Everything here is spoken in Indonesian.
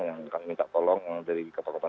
yang kami minta tolong dari kota kota